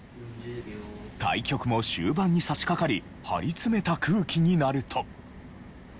対局も終盤に差しかかり張り詰めた空気になると。